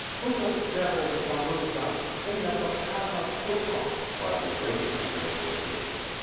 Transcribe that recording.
*^ "To the devil with Marusia! Sing of the pan of Potock," cried the greatest number of voices.